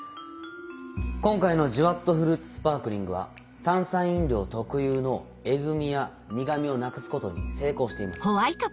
今回の「ジュワっとフルーツスパークリング」は炭酸飲料特有のエグ味や苦味をなくすことに成功しています。